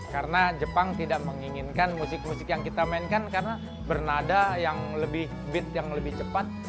karena jepang tidak menginginkan musik musik yang kita mainkan karena bernada yang lebih cepat